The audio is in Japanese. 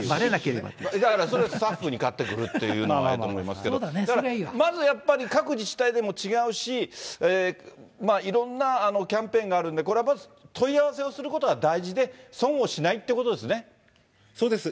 それ、スタッフに買ってくるっていうようになると思いますけれども、まずやっぱり、各自治体で違うし、いろんなキャンペーンがあるんで、これはまず問い合わせをすることが大事で、損をしないってことでそうです。